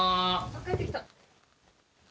帰って来た。